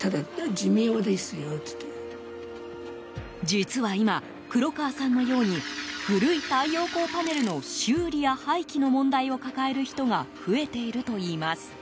実は今、黒川さんのように古い太陽光パネルの修理や廃棄の問題を抱える人が増えているといいます。